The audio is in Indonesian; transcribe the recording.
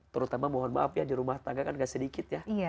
terutama mohon maaf ya di rumah tangga kan gak sedikit ya